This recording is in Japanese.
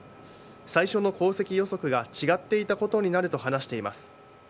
最初の航跡予測が違っていたことになると話しています。